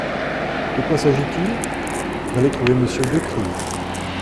De quoi s'agit-il ? D'aller trouver Monsieur de Crillon.